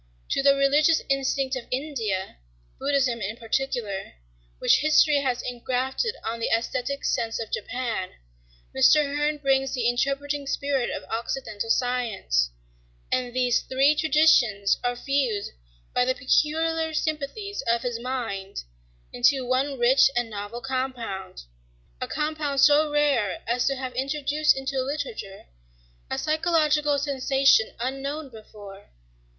"To the religious instinct of India—Buddhism in particular,—which history has engrafted on the aæsthetic sense of Japan, Mr. Hearn brings the interpreting spirit of occidental science; and these three traditions are fused by the peculiar sympathies of his mind into one rich and novel compound,—a compound so rare as to have introduced into literature a psychological sensation unknown before."